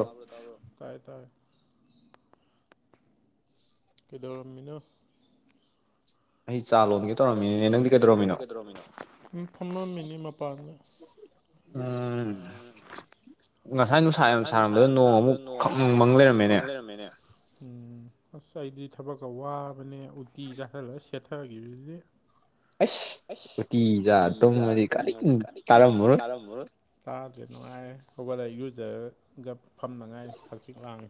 ꯇ꯭ꯔꯣ ꯇ꯭ꯔꯣ ꯇꯥꯏ ꯇꯥꯏ ꯀꯩꯗꯧꯔꯝꯃꯤꯅꯣ ꯑꯩ ꯆꯥ ꯂꯣꯝꯒꯦ ꯇꯧꯔꯝꯃꯤꯅꯦ ꯅꯪꯗꯤ ꯀꯩꯗꯧꯔꯝꯃꯤꯅꯣ ꯐꯝꯂꯝꯝꯃꯤꯅꯦ ꯃꯄꯥꯟꯒ ꯑꯥ ꯉꯁꯥꯏ ꯅꯨꯡꯁꯥ ꯌꯥꯝ ꯁꯥꯔꯝꯕꯗꯣ ꯅꯣꯡ ꯑꯃꯨꯛ ꯈꯪ ꯃꯪ ꯂꯩꯔꯝꯃꯦꯅꯦ ꯎꯝ ꯑꯁ ꯑꯩꯗꯤ ꯊꯕꯛꯀ ꯋꯥꯕꯅꯦ ꯎꯇꯤ ꯆꯥꯁꯜꯂꯁꯤ ꯆꯦꯠꯊꯈꯤꯕꯗꯤ ꯑꯦꯁ ꯎꯇꯤ ꯆꯥꯔꯒ ꯇꯨꯝꯃꯗꯤ ꯀꯔꯤꯝ ꯇꯥꯔꯝꯃꯔꯣꯏ ꯇꯥꯗ꯭ꯔꯦ ꯅꯨꯡꯉꯥꯏꯔꯦ ꯍꯧꯒꯠꯂ ꯏꯔꯨꯖꯔꯒ ꯐꯝꯗ ꯉꯥꯏꯔ ꯍꯡꯆꯤꯛ ꯂꯥꯡꯏ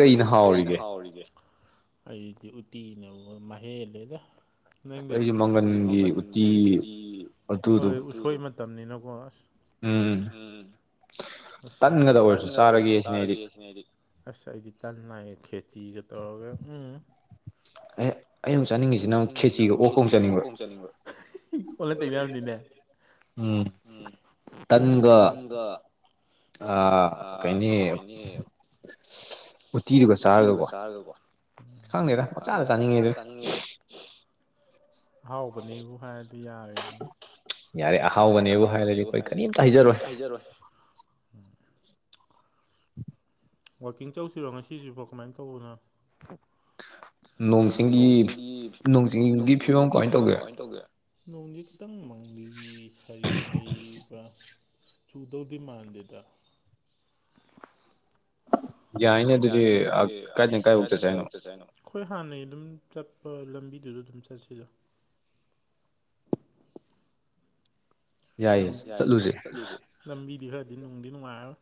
ꯍꯧꯖꯤꯛ ꯀꯩꯅ ꯍꯥꯎꯔꯤꯒꯦ ꯑꯩꯗꯤ ꯎꯇꯤꯅꯕꯨ ꯃꯍꯦꯜꯂꯦꯗ ꯅꯪꯗꯤ ꯑꯩꯒꯤ ꯃꯪꯒꯟꯒꯤ ꯎꯇꯤ ꯍꯣꯏ ꯎꯁꯣꯏ ꯃꯇꯝꯅꯤꯅꯀꯣ ꯑꯁ ꯎꯝ ꯇꯟꯒꯗ ꯑꯣꯏꯔꯁꯨ ꯆꯥꯔꯒꯦ ꯁꯤꯅꯤ ꯑꯩꯗꯤ ꯑꯩꯗꯤ ꯇꯟ ꯅꯥꯏꯔꯤ ꯈꯦꯆꯤꯒ ꯇꯧꯔꯒ ꯎꯝ ꯑꯦ ꯑꯩꯩꯅ ꯑꯃꯨꯛ ꯆꯥꯅꯤꯡꯉꯤꯁꯤꯅ ꯑꯃꯨꯛ ꯈꯦꯆꯤꯒ ꯑꯣꯛꯀ ꯑꯃꯨꯛ ꯆꯅꯤꯡꯕ ꯑꯣꯟꯅ ꯇꯩꯅꯕꯅꯤꯅꯦ ꯎꯝ ꯇꯟꯗꯣ ꯑ ꯀꯩꯅꯤ ꯎꯇꯤꯗꯨꯒ ꯆꯥꯔꯒꯀꯣ ꯎꯝ ꯈꯪꯗꯦꯗ ꯄꯪꯆꯥꯥꯗ ꯆꯥꯅꯤꯡꯉꯦꯗ ꯑꯍꯥꯎꯕꯅꯦꯕꯨ ꯍꯥꯏꯔꯗꯤ ꯌꯥꯔꯦꯅꯦ ꯌꯥꯔꯦ ꯑꯍꯥꯎꯕꯅꯦꯕꯨ ꯍꯥꯏꯔꯗꯤ ꯑꯩꯈꯣꯏ ꯀꯔꯤꯝꯇ ꯍꯥꯏꯖꯔꯣꯏ ꯋꯥꯛꯀꯤꯡ ꯆꯧꯁꯤꯔꯣ ꯉꯁꯤꯁꯤꯕꯣ ꯀꯃꯥꯏꯅ ꯇꯧꯕꯅꯣ ꯅꯣꯡ ꯆꯤꯡꯒꯤ ꯅꯣꯡ ꯆꯤꯡꯒꯤ ꯐꯤꯕꯝ ꯀꯃꯥꯏꯅ ꯇꯧꯒꯦ ꯅꯣꯡꯁꯦ ꯈꯤꯇꯪ ꯃꯪꯂꯤ ꯁꯥꯔꯤ ꯂꯩꯕ꯭ꯔꯥ ꯆꯨꯗꯧꯗꯤ ꯃꯥꯟꯗꯦꯗ ꯌꯥꯏꯅꯦ ꯑꯗꯨꯗꯤ ꯀꯥꯏꯗꯩꯅ ꯀꯥꯏꯕꯣꯛ ꯆꯠꯁꯦ ꯍꯥꯏꯅꯣ ꯑꯩꯈꯣꯏ ꯍꯥꯟꯅꯩ ꯑꯗꯨꯝ ꯆꯠꯄ ꯂꯝꯕꯤꯗꯨꯗ ꯑꯗꯨꯝ ꯆꯠꯁꯤꯗ ꯌꯥꯏꯌꯦ ꯆꯠꯂꯨꯁꯦ ꯂꯝꯕꯤꯗꯤ ꯈꯔꯗꯤ ꯅꯨꯡꯗꯤ ꯅꯨꯡꯉꯥꯏꯔꯔꯣꯏ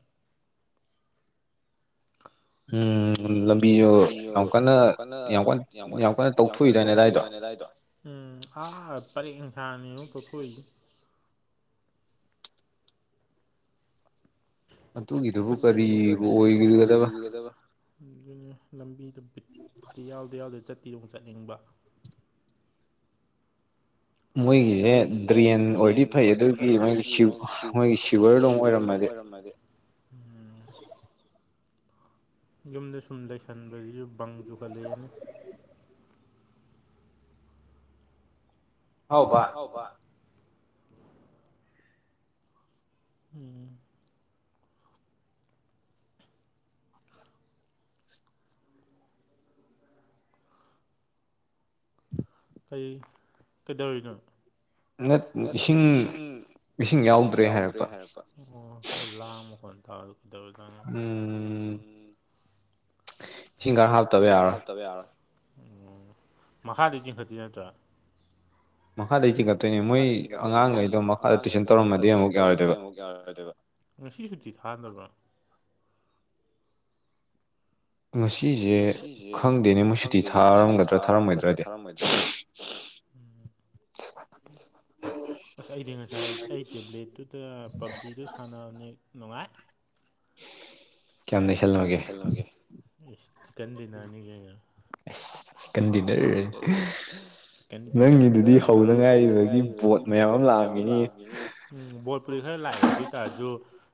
ꯎꯝ ꯂꯝꯕꯤꯁꯨ ꯌꯥꯝ ꯀꯟꯅ ꯌꯥꯝ ꯀꯟ ꯌꯥꯝ ꯂꯣꯏꯅ ꯇꯧꯊꯣꯛꯏꯗꯥꯏꯅꯦ ꯑꯗꯥꯏꯗꯣ ꯎꯝ ꯑꯥ ꯄꯔꯦꯡ ꯁꯥꯅꯤꯕꯣ ꯇꯧꯊꯣꯛꯏꯗꯣ ꯑꯈꯣꯏ ꯁꯤꯗꯕꯣ ꯀꯔꯤꯕꯨ ꯑꯣꯏꯒꯗꯕ ꯑꯗꯨꯅꯦ ꯂꯝꯕꯤꯗ ꯨꯕꯤꯠꯇꯤ ꯌꯥꯎꯗꯤ ꯌꯥꯎꯗꯦ ꯆꯠꯇꯤꯗꯧ ꯑꯃꯨꯛ ꯆꯠꯅꯤꯡꯕ ꯃꯣꯏꯒꯤꯁꯦ ꯗ꯭ꯔꯦꯟ ꯑꯣꯏꯔꯗꯤ ꯐꯩ ꯑꯗꯨꯒꯤ ꯃꯣꯏꯒꯤ ꯃꯣꯏꯒꯤ ꯁꯤꯚꯔ ꯗꯣ ꯑꯃꯨꯛ ꯑꯣꯏꯔꯝꯃꯗꯤ [unintelligible] ꯌꯨꯝꯗ ꯁꯨꯝ ꯂꯩꯁꯟꯕꯁꯤꯁꯨ ꯕꯪ ꯆꯨꯈꯠꯂꯛꯑꯦꯅ ꯍꯥꯎꯕ ꯍꯥꯎꯕ ꯎꯝ ꯀꯩ ꯀꯩꯗꯧꯔꯤꯅꯣ ꯅꯠ ꯎꯝ ꯏꯁꯤꯡ ꯏꯁꯤꯡ ꯌꯥꯎꯗ꯭ꯔꯦ ꯍꯥꯏꯔꯛꯄ ꯑꯣ ꯈꯔ ꯂꯥꯡꯕ ꯃꯈꯣꯟ ꯇꯥꯕꯗꯣ ꯀꯗꯧꯔꯖꯥꯠꯅꯣ ꯎꯝ ꯏꯁꯤꯡ ꯈꯔ ꯍꯥꯞꯇꯕ ꯌꯥꯔꯔꯣꯏ ꯇꯕ ꯌꯥꯔꯔꯣꯏ ꯎꯝ ꯃꯈꯥꯗꯤ ꯆꯤꯡꯈꯠꯇꯣꯏ ꯅꯠꯇ꯭ꯔꯣ ꯃꯈꯥꯗꯩ ꯆꯤꯡꯒꯠꯇꯣꯏꯅꯦ ꯃꯣꯏ ꯑꯉꯥꯡꯈꯩꯗꯣ ꯃꯈꯥꯗ ꯇꯨꯏꯁꯟ ꯇꯧꯔꯃꯗꯤ ꯑꯃꯨꯛ ꯌꯥꯎꯔꯣꯏꯗꯣꯏꯕ ꯌꯥꯔꯣꯏꯗꯣꯏꯕ ꯉꯁꯤ ꯁꯨꯇꯤ ꯊꯥꯗꯕ꯭ꯔꯣ ꯉꯁꯤꯁꯦ ꯈꯪꯗꯦꯅꯦ ꯃꯣꯏ ꯁꯨꯇꯤ ꯊꯥꯔꯝꯒꯗ꯭ꯔꯥ ꯊꯥꯔꯝꯃꯣꯏꯗ꯭ꯔꯗꯤ ꯃꯣꯏꯗ꯭ꯔꯗꯤ ꯎꯝ ꯑꯁ ꯑꯩꯗꯤ ꯉꯁꯥꯏ ꯑꯩ ꯇꯦꯕ꯭ꯂꯦꯠꯇꯨꯗ ꯄꯞꯖꯤꯗꯨ ꯁꯥꯟꯅꯕꯅꯦ ꯅꯨꯡꯉꯥꯏ ꯀꯌꯥꯝ ꯅꯩꯁꯜꯂꯝꯃꯒꯦ ꯏꯁ ꯆꯤꯀꯟ ꯗꯤꯅꯔꯅꯤ ꯀꯩꯅꯣ ꯑꯁ ꯑꯁ ꯆꯤꯛꯀꯟ ꯗꯤꯅꯔ ꯆꯤꯀꯟ ꯗꯤꯅꯔ ꯑꯃ ꯆꯥꯕ ꯅꯪꯒꯤꯗꯨꯗꯤ ꯍꯧꯗ ꯉꯥꯏꯔꯤꯕꯒꯤ ꯕꯣꯠ ꯃꯌꯥꯝ ꯑꯃ ꯂꯥꯛꯑꯝꯒꯤꯅꯤ ꯎꯝ ꯕꯣꯠꯄꯨꯗꯤ ꯈꯔ ꯂꯥꯛꯑꯦ ꯑꯗꯨ ꯑꯣꯏꯇꯥꯔꯁꯨ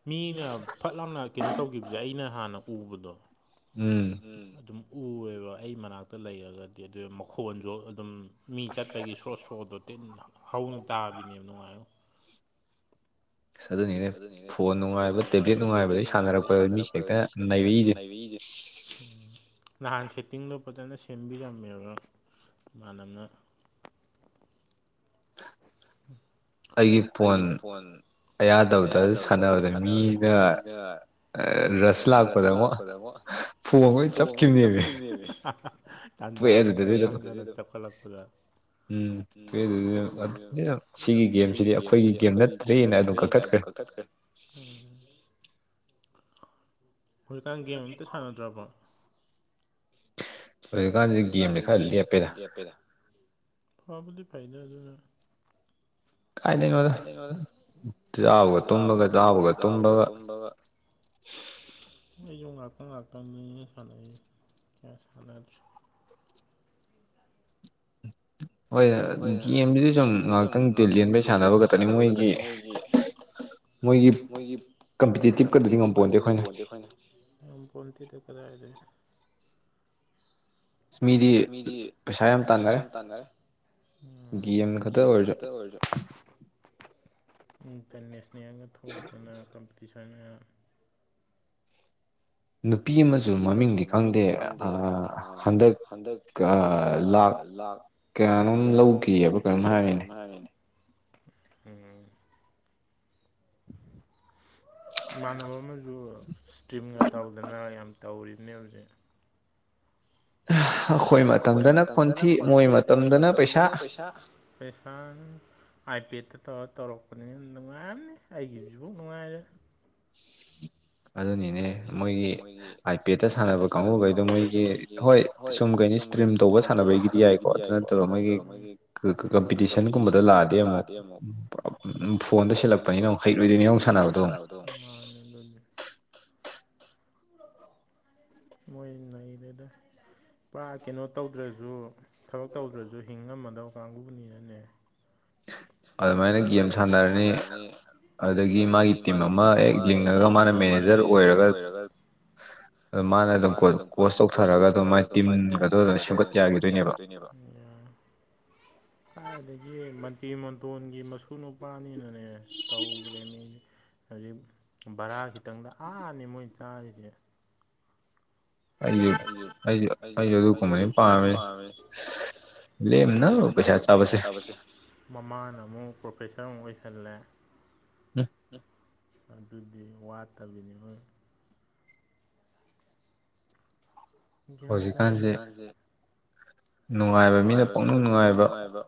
ꯃꯤꯅ ꯐꯠ ꯂꯥꯎꯅ ꯀꯩꯅꯣ ꯇꯧꯈꯤꯕꯁꯦ ꯑꯩꯅ ꯅꯍꯥꯟꯅ ꯎꯕꯗꯣ ꯎꯝ ꯑꯗꯨꯝ ꯎꯑꯦꯕ ꯑꯩ ꯃꯅꯥꯛꯇ ꯂꯩꯔꯒꯗꯤ ꯑꯗꯨ ꯃꯈꯣꯟꯁꯨ ꯑꯗꯨꯝ ꯃꯤ ꯆꯠꯄꯒꯤ ꯁꯣ ꯁꯣꯗꯣ ꯇꯤꯤꯟ ꯍꯧꯅ ꯇꯥꯕꯅꯦꯕ ꯅꯨꯡꯉꯥꯏꯨ ꯑꯗꯨꯅꯤꯅꯦ ꯐꯣꯟ ꯅꯨꯡꯉꯥꯏꯕ ꯇꯦꯕ꯭ꯂꯦꯠ ꯅꯨꯡꯉꯥꯏꯕꯗꯒꯤ ꯁꯥꯟꯅꯔꯛꯄꯗ ꯃꯤꯁꯦ ꯍꯦꯛꯇ ꯅꯩꯔꯛꯏꯁꯦ ꯎ ꯅꯍꯥꯟ ꯁꯦꯠꯇꯤꯡꯗꯣ ꯐꯖꯅ ꯁꯦꯝꯕꯤꯔꯝꯃꯦꯕ ꯃꯥꯟꯅꯅ ꯑꯩꯒꯤ ꯐꯣꯟ ꯑꯌꯥꯗꯕꯗ ꯁꯥꯟꯅꯕꯗ ꯃꯤꯅ ꯔꯁ ꯂꯥꯛꯄꯗ ꯑꯃꯨꯛ ꯐꯣꯡ ꯂꯣꯏ ꯆꯞꯈꯤꯕꯅꯦꯗꯤ ꯇꯟꯖꯥ ꯃꯦꯟꯖꯥ ꯇꯨ ꯑꯦꯛꯁ [unintelligible] ꯆꯞꯈꯠ ꯂꯛꯄꯗ ꯎꯝ [unintelligible] ꯁꯤꯒꯤ ꯒꯦꯝꯁꯤꯗꯤ ꯑꯩꯈꯣꯏꯒꯤ ꯒꯦꯝ ꯅꯠꯇ꯭ꯔꯦꯅ ꯑꯗꯨꯝ ꯀꯛꯊꯠꯈ꯭ꯔꯦ ꯎꯝ ꯍꯧꯖꯤꯛꯀꯥꯟ ꯒꯦꯝ ꯑꯝꯇ ꯁꯥꯟꯅꯗ꯭ꯔꯕꯣ ꯍꯧꯖꯤꯛꯀꯥꯟꯗꯗꯤ ꯒꯦꯝꯖꯦ ꯈꯔꯗꯤ ꯂꯦꯄꯦꯗ ꯐꯕꯨꯗꯤ ꯐꯩꯗ ꯑꯗꯨꯅ ꯀꯥꯏꯗꯩꯅꯣꯗ ꯆꯥꯕꯒ ꯇꯨꯝꯕꯒ ꯆꯥꯕꯒ ꯇꯨꯝꯕꯒ ꯑꯩꯖꯨ ꯉꯥꯛꯇꯪ ꯉꯥꯛꯇꯪꯅꯤ ꯁꯟꯅꯩꯖꯦ ꯀꯌꯥ ꯁꯟꯅꯗ꯭ꯔꯦ ꯍꯣꯏ ꯒꯦꯝꯁꯤꯗꯤ ꯁꯨꯝ ꯉꯥꯏꯍꯥꯛꯇꯪ ꯗꯤꯜ ꯂꯦꯟꯕꯩ ꯁꯥꯟꯅꯕ ꯈꯛꯇꯅꯤ ꯃꯣꯏꯒꯤ ꯃꯣꯏꯒꯤ ꯀꯝꯄꯤꯇꯤꯇꯤꯞꯀꯗꯨꯗꯤ ꯉꯝꯄꯣꯟꯗꯦ ꯑꯩꯈꯣꯏꯅ ꯉꯝꯄꯣꯠ ꯅꯠꯇꯦꯗ ꯀꯗꯥꯏꯗꯩ ꯃꯤꯗꯤ ꯄꯩꯁꯥ ꯌꯥꯝ ꯇꯥꯟꯅꯔꯦ ꯎꯝ ꯒꯦꯝ ꯈꯇ ꯑꯣꯏꯔꯖꯨ ꯏꯟꯇꯔꯅꯦꯁꯅꯦꯜꯒ ꯊꯣꯛꯇꯅ ꯀꯝꯄꯤꯇꯤꯁꯟꯒ ꯅꯨꯄꯤ ꯑꯃꯖꯨ ꯃꯃꯤꯡꯗꯤ ꯈꯪꯗꯦ ꯑꯥ ꯍꯟꯗꯛ ꯀꯥ ꯂꯥꯈ ꯀꯌꯥꯅꯣꯝ ꯂꯧꯈꯤꯑꯕ ꯀꯩꯅꯣꯝ ꯍꯥꯏꯔꯤꯅꯦ ꯎꯝ ꯏꯃꯥꯟꯅꯕ ꯑꯃꯁꯨ ꯏꯁꯇ꯭ꯔꯤꯝꯒ ꯇꯧꯗꯅ ꯌꯥꯝ ꯇꯧꯔꯤꯕꯅꯦ ꯍꯧꯖꯤꯛ ꯑꯩꯈꯣꯏ ꯃꯇꯝꯗꯅ ꯀꯣꯟꯊꯤ ꯃꯣꯏ ꯃꯇꯝꯗꯅ ꯄꯩꯁꯥ [inaudible] ꯑꯥꯏ ꯄꯦꯗꯇ ꯇꯧꯔ ꯇꯧꯔꯛꯄꯅꯤꯅ ꯅꯨꯡꯉꯥꯏꯔꯝꯅꯤ ꯑꯩꯒꯤꯁꯤꯐꯥꯎ ꯅꯨꯡꯉꯥꯏꯔꯦ ꯑꯗꯨꯅꯤꯅꯦ ꯃꯣꯏꯒꯤ ꯑꯥꯏ ꯄꯦꯠꯇ ꯁꯥꯟꯅꯕ ꯀꯥꯡꯕꯨꯈꯩꯗꯣ ꯃꯣꯏꯒꯤ ꯍꯣꯏ ꯁꯨꯝ ꯀꯩꯅꯤ ꯏꯁꯇ꯭ꯔꯤꯝ ꯇꯧꯕ ꯁꯥꯟꯅꯕꯩꯒꯤꯗꯤ ꯌꯥꯏꯀꯣ ꯑꯗꯨ ꯅꯠꯇꯕ ꯃꯣꯏꯒꯤ ꯀ ꯀ ꯀꯝꯄꯤꯇꯤꯁꯟꯒꯨꯝꯕꯗ ꯂꯥꯛꯑꯗꯤ ꯑꯃꯨꯛ ꯐꯣꯟꯗ ꯁꯤꯜꯂꯛ ꯄꯅꯤꯅ ꯑꯃꯨꯛ ꯍꯩꯔꯣꯏꯗꯣꯏꯅꯤ ꯑꯃꯨꯛ ꯁꯥꯟꯅꯕꯗꯣ ꯑꯃꯨꯛ ꯃꯥꯟꯅꯦ ꯑꯗꯨꯗꯤ ꯃꯣꯏ ꯅꯩꯔꯦꯗ ꯄꯨꯔꯥ ꯀꯩꯅꯣ ꯇꯧꯗ꯭ꯔꯁꯨ ꯊꯕꯛ ꯇꯧꯗ꯭ꯔꯁꯨ ꯍꯤꯡꯉꯝꯃꯗꯕ ꯀꯥꯡꯕꯨꯅꯤꯅꯅꯦ ꯑꯗꯨꯃꯥꯏꯅ ꯒꯦꯝ ꯁꯥꯟꯅꯔꯅꯤ ꯑꯗꯨꯗꯒꯤ ꯃꯥꯒꯤ ꯇꯤꯝ ꯑꯃ ꯍꯦꯛ ꯌꯦꯡꯅꯔꯒ ꯃꯥꯅ ꯃꯦꯅꯦꯖꯔ ꯑꯣꯏꯔꯒ ꯑ ꯃꯥꯅ ꯑꯗꯨꯝ ꯀꯣ ꯀꯣꯁ ꯇꯧꯊꯔꯒ ꯑꯗꯨꯝ ꯃꯥꯏ ꯇꯤꯝꯒꯗꯣ ꯂꯣꯏ ꯁꯦꯝꯒꯠ ꯌꯥꯒꯤ ꯗꯣꯏꯅꯦꯕ [inaudible] ꯀꯥꯏꯗꯒꯤ ꯃꯟꯇ꯭ꯔꯤ ꯃꯟꯇꯣꯟꯒꯤ ꯃꯁꯨ ꯅꯨꯄꯥꯅꯤꯅ ꯅꯦ ꯇꯧꯕꯅꯦ ꯃꯤꯗꯤ ꯍꯧꯖꯤꯛ ꯕꯔꯥ ꯈꯤꯇꯪꯗ ꯑꯥꯅꯤ ꯃꯣꯏ ꯆꯥꯔꯤꯁꯦ ꯑꯩꯖꯨ ꯑꯩꯖꯨ ꯑꯩꯖꯨ ꯑꯗꯨ ꯀꯨꯝꯃꯥꯏ ꯄꯝꯃꯦ ꯂꯦꯝꯅ ꯄꯩꯁꯥ ꯆꯥꯕꯁꯦ ꯃꯃꯥꯅ ꯑꯃꯨꯛ ꯄ꯭ꯔꯣꯐꯦꯁꯔ ꯑꯃꯨꯛ ꯑꯣꯏꯁꯜꯂꯦ ꯎꯝ ꯑꯗꯨꯗꯤ ꯋꯥꯠꯇꯕꯤꯅꯤ ꯍꯣꯏ ꯒ꯭ꯌꯥꯟ ꯇꯥꯗꯦ ꯍꯧꯖꯤꯀꯥꯟꯁꯦ ꯅꯨꯡꯉꯥꯏꯕ ꯃꯤꯅ ꯄꯛꯅꯨꯡ ꯅꯨꯡꯉꯥꯏꯕ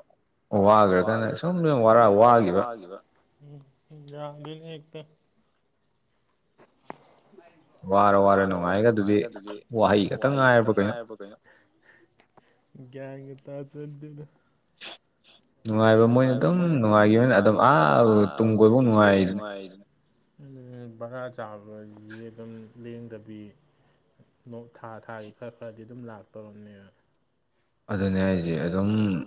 ꯋꯥꯈ꯭ꯔꯒꯅꯦ ꯁꯨꯝ ꯁꯨꯝ ꯋꯥꯔ ꯋꯥꯈꯤꯕ ꯎꯝ ꯎꯝ ꯌꯥꯗꯦꯅꯦ ꯍꯦꯛꯇ [inaudible] ꯋꯥꯔ ꯋꯥꯔ ꯅꯨꯡꯉꯥꯏ ꯒꯥꯗꯨꯗꯤ ꯋꯥꯍꯩ ꯈꯛꯇꯪ ꯉꯥꯏꯔꯕ ꯀꯩꯅꯣ ꯒꯌ꯭ꯥꯟꯒ ꯇꯥꯖꯗꯦꯗ ꯅꯨꯡꯉꯥꯏꯕ ꯃꯣꯏꯅ ꯑꯗꯨꯝ ꯅꯨꯡꯉꯥꯏꯈꯤꯕꯅ ꯑꯗꯨꯝ ꯑꯥ ꯇꯨꯡ ꯀꯣꯏꯕꯧ ꯅꯨꯡꯉꯥꯏꯗꯨꯅꯤ ꯑꯗꯨꯅꯤ ꯕꯔꯥ ꯆꯥꯕꯖꯤꯗꯤ ꯑꯗꯨꯝ ꯂꯦꯡꯗꯕꯤ ꯃꯨꯛ ꯊꯥ ꯊꯥꯒꯤ ꯈꯔ ꯈꯔꯗꯤ ꯑꯗꯨꯝ ꯂꯥꯛꯇꯣꯔꯃꯤꯅ ꯑꯗꯨꯅꯦ ꯍꯥꯏꯁꯦ ꯑꯗꯨꯝ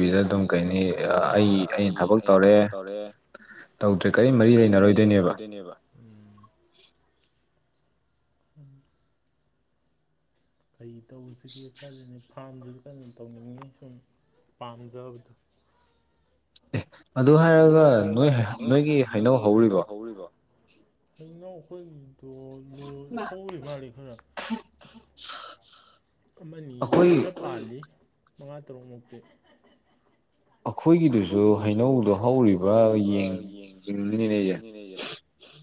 ꯂꯦꯡꯗꯕꯤꯗ ꯑꯗꯨꯝ ꯀꯩꯅꯤ ꯑꯩ ꯑꯩꯅ ꯊꯕꯛ ꯇꯧꯔꯦ ꯇꯧꯗ꯭ꯔꯦ ꯀꯔꯤꯝ ꯃꯔꯤ ꯂꯩꯅꯔꯣꯏꯗꯣꯏꯅꯦꯕ ꯎꯝ ꯀꯩ ꯇꯧꯁꯤꯒꯦ ꯈꯜꯂꯤꯅꯦ ꯐꯥꯝꯗꯨꯁꯨ ꯀꯟꯅ ꯇꯧꯅꯤꯡꯉꯤꯅꯦ ꯁꯨꯝ ꯄꯥꯝꯖꯕꯗꯣ ꯑꯦ ꯑꯗꯨ ꯍꯥꯏꯔꯒ ꯅꯣꯏ ꯍ ꯅꯣꯏꯒꯤ ꯍꯩꯅꯧ ꯍꯧꯔꯤꯕꯣ ꯍꯩꯅꯧ ꯑꯈꯣꯏꯗꯣ ꯂꯣꯏ ꯍꯧꯔꯤ ꯃꯥꯜꯂꯦ ꯈꯔ ꯑꯃꯅꯤ ꯈꯔ ꯄꯥꯜꯂꯤ ꯃꯉꯥ ꯇꯔꯨꯛ ꯃꯨꯛꯇꯤ ꯑꯩꯈꯣꯏꯒꯤꯗꯨꯁꯨ ꯍꯩꯅꯧꯗꯣ ꯍꯧꯔꯤꯕ ꯌꯦꯡ ꯌꯦꯡꯅꯤꯡꯉꯤꯅꯤꯅꯦ ꯑꯩꯁꯦ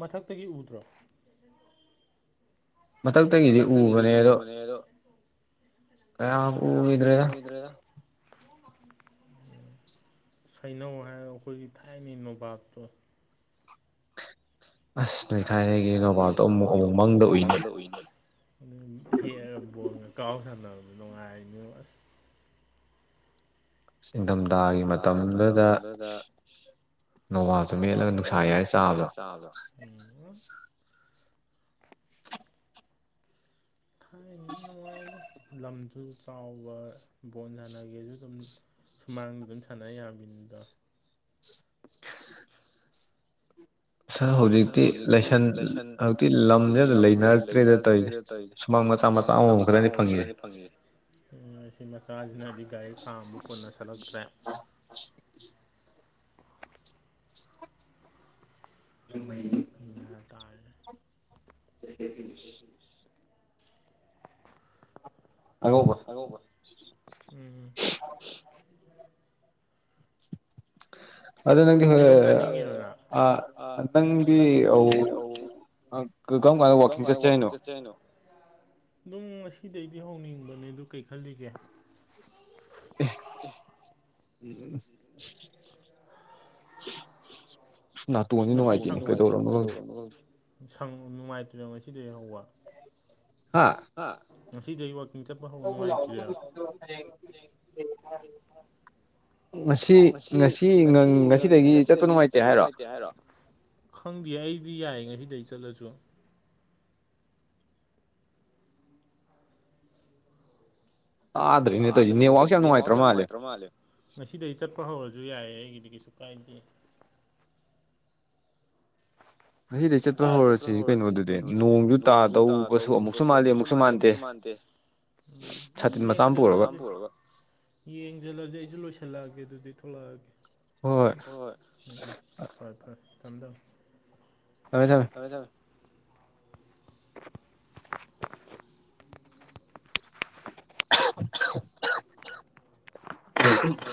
ꯃꯊꯛꯇꯒꯤ ꯎꯗ꯭ꯔꯣ ꯃꯊꯛꯇꯒꯤꯗꯤ ꯎꯕꯅꯦ ꯑꯗꯣ ꯀꯌꯥꯃ ꯎꯈꯤꯗ꯭ꯔꯦꯗ ꯍꯩꯅꯧ ꯍꯥꯏꯔ ꯑꯩꯈꯣꯏꯒꯤ ꯊꯥꯏꯅ ꯅꯣꯕꯥꯞꯇꯣ ꯑꯁ ꯅꯣꯏ ꯊꯥꯏꯅꯒꯤ ꯅꯣꯕꯥꯞꯇꯣ ꯑꯃꯨꯛ ꯑꯃꯨꯛ ꯃꯪꯗ ꯎꯏꯗ ꯑꯗꯨ ꯍꯦꯛꯑꯒ ꯕꯣꯟꯒ ꯀꯥꯎ ꯁꯥꯟꯅꯕꯗꯣ ꯅꯨꯡꯉꯥꯏꯕꯅꯤꯉꯣ ꯑꯁ ꯏꯗꯝꯗꯥꯒꯤ ꯃꯇꯝꯗꯨꯗ ꯅꯣꯕꯥꯞꯇꯣ ꯃꯦꯠꯂ ꯅꯨꯡꯁꯥ ꯌꯥꯏ ꯆꯥꯕꯗꯣ ꯊꯥꯏꯅꯩ ꯅꯨꯡꯉꯥꯏꯗ ꯂꯝꯁꯨ ꯆꯥꯎꯕ ꯕꯣꯟ ꯁꯥꯟꯅꯒꯦꯁꯨ ꯑꯗꯨꯝ ꯁꯨꯃꯥꯡꯗ ꯑꯗꯨꯝ ꯁꯥꯟꯅ ꯌꯥꯕꯅꯤꯗꯣ ꯁꯥꯔ ꯍꯧꯖꯤꯛꯇꯤ ꯂꯥꯏꯁꯟ ꯍꯧꯖꯤꯛꯇꯤ ꯂꯝꯁꯤꯦꯗ ꯂꯩꯅꯔꯛꯇ꯭ꯔꯦꯗ ꯇꯧꯔꯤꯁ ꯁꯨꯃꯥꯡ ꯃꯆꯥ ꯃꯆꯥ ꯑꯃꯃꯨꯛ ꯈ꯭ꯔꯗꯤ ꯐꯪꯉꯦ ꯑꯁꯤ ꯃꯆꯥꯁꯤꯅꯗꯤ ꯒꯥꯔꯤ ꯈꯥ ꯑꯃꯨꯛ ꯄꯨꯟꯅ ꯁꯠꯂꯛꯇ꯭ꯔꯦ [unintelligible] [unintelligible] [unintelligible] ꯑꯉꯧꯕ ꯑꯉꯧꯕ ꯎꯝ [unintelligible] [unintelligible] ꯅꯪꯗꯤ ꯑꯧ ꯒꯝ ꯋꯥꯊ ꯆꯠ ꯆꯅꯣ ꯑꯗꯨꯝ ꯉꯁꯤꯗꯩꯗꯤ ꯍꯧꯅꯤꯡꯕꯅꯦ ꯑꯗꯨ ꯀꯩ ꯈꯜꯂꯤꯒꯦ ꯎꯝ ꯅꯥꯇꯣꯡꯗꯤ ꯅꯨꯡꯉꯥꯏꯇꯦꯅꯦ ꯀꯩꯗꯧꯔꯅꯣꯪꯦ ꯎꯝ ꯁ ꯅꯨꯡꯉꯥꯏꯇ꯭ꯔꯦ ꯉꯁꯤꯗꯒꯤ ꯍꯧꯕ ꯍꯥ ꯉꯁꯤꯗꯒꯤꯩ ꯋꯥꯛꯀꯤꯡ ꯆꯠꯄ ꯍꯧꯕ ꯅꯨꯡꯉꯥꯏꯇ꯭ꯔꯤꯦ [unintelligible] ꯉꯁꯤ ꯉꯁꯤ ꯉꯁꯤꯗꯒꯤ ꯆꯠꯄ ꯅꯨꯡꯉꯥꯏꯇꯦ ꯍꯥꯏꯔꯣ ꯈꯪꯗꯦ ꯑꯩꯗꯤ ꯌꯥꯏ ꯉꯥꯁꯤꯗꯩ ꯆꯠꯂꯁꯨ ꯇꯥꯗ꯭ꯔꯤꯅꯦ ꯇꯧꯗꯤ ꯅꯦꯠꯋꯥꯛꯁꯨ ꯌꯥꯝ ꯅꯨꯡꯉꯥꯏꯇ꯭ꯔ ꯃꯥꯜꯂꯦ ꯉꯁꯤꯗꯒꯤ ꯆꯠꯄ꯭ꯔ ꯍꯧꯔꯁꯨ ꯌꯥꯏꯌꯦ ꯑꯩꯒꯤꯗꯤ ꯀꯩꯁꯨ ꯀꯥꯏꯗꯦ ꯅ ꯆꯠꯄ ꯍꯧꯔꯁꯤ ꯀꯩꯅꯣꯗꯨꯗꯤ ꯅꯣꯡꯁꯨ ꯇꯥꯗꯧꯕꯁꯨ ꯑꯃꯨꯛꯁꯨ ꯃꯥꯥꯟꯜꯂꯤꯦ ꯑꯃꯨꯛꯁꯨ ꯃꯥꯟꯗꯦ ꯎ ꯀꯥꯔꯒ ꯌꯦꯡꯁꯤꯜꯂꯁꯦ ꯑꯩꯁꯨ ꯂꯣꯏꯁꯤꯜꯂꯛꯑꯒꯦ ꯑꯗꯨꯗꯤ ꯊꯣꯛꯂꯛꯑꯒꯦ ꯍꯣꯏ ꯍꯣꯏ ꯍꯣꯏ ꯎꯝ ꯎꯝ ꯍꯣꯏ ꯐꯔꯦ ꯊꯝꯃꯦ ꯊꯝꯃꯦ ꯊꯝꯃꯦ ꯊꯝꯃꯦ ꯊꯝꯃꯦ ꯊꯝꯃꯦ [unintelligible] [unintelligible]